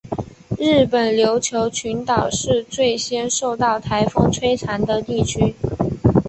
日本琉球群岛是最先受到台风摧残的地区。